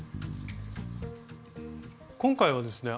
今回はですね